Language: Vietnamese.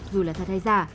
dù là thật hay giả